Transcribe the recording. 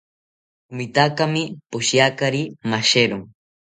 Mitaakimi poshiakari mashero